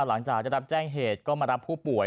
หลังจากได้รับแจ้งเหตุก็มารับผู้ป่วย